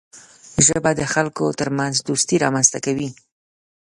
ژبه د خلکو ترمنځ دوستي رامنځته کوي